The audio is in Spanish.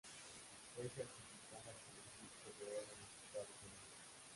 Fue certificada con el disco de oro en los Estados Unidos.